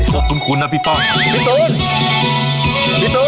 อายะจ๊ะเฮ้ยคุณคุณนะพี่ตอนพี่ตุ๋น